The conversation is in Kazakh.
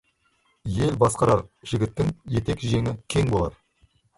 Ел басқарар жігіттің етек-жеңі кең болар.